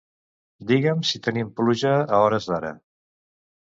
Digue'm si tenim pluja a hores d'ara.